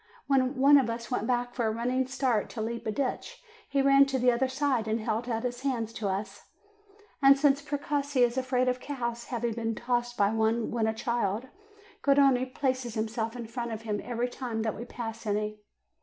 When one of us went back for a running start to leap a ditch, he ran to the other side, and held out his hands to us; and since Precossi is afraid of cows, having been tossed by one when a child, Garrone placed himself in front of him every time that we passed any.